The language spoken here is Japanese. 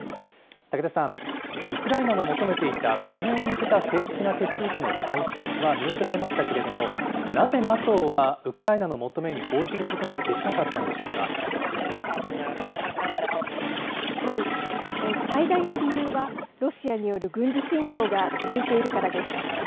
竹田さん、ウクライナが求めていた加盟に向けた正式な手続きの開始は見送られましたけれども、なぜＮＡＴＯはウクライナの求めに応じることができなかったんで最大の理由は、ロシアによる軍事侵攻が続いているからです。